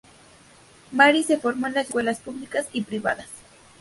Mary se formó en escuelas públicas y privadas.